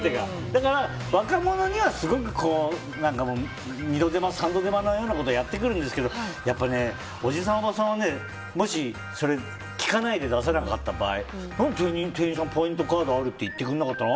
だから、若者にはすごく二度手間、三度手間みたいなことをやってくるんですけどおじさん、おばさんはもしそれ聞かないで出さなかった場合なんで店員さんポイントカードある？って聞いてくれないのって。